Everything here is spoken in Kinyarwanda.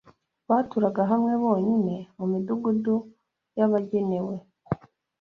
Baturaga hamwe bonyine mu midugudu yabagenewe